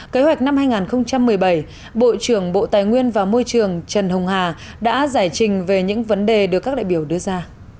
kế hoạch năm hai nghìn một mươi bảy bộ trưởng bộ tài nguyên và môi trường trần hồng hà đã giải trình về những vấn đề được các đại biểu đưa ra